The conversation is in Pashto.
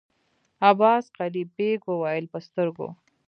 عباس قلي بېګ وويل: په سترګو!